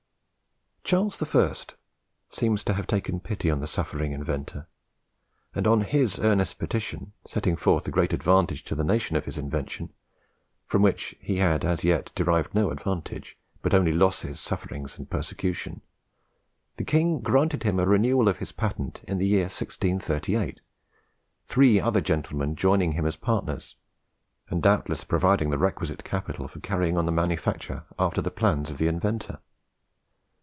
Charles I. seems to have taken pity on the suffering inventor; and on his earnest petition, setting forth the great advantages to the nation of his invention, from which he had as yet derived no advantage, but only losses, sufferings, and persecution, the King granted him a renewal of his patent in the year 1638; three other gentlemen joining him as partners, and doubtless providing the requisite capital for carrying on the manufacture after the plans of the inventor.